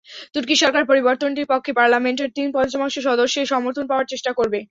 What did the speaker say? তুর্কি সরকার পরিবর্তনটির পক্ষে পার্লামেন্টের তিন-পঞ্চমাংশ সদস্যের সমর্থন পাওয়ার চেষ্টা করবে।